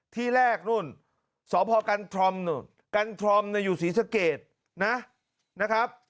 ที่แรกนู่นสพกันทรมนู่นกันทรอมอยู่ศรีสะเกดนะครับ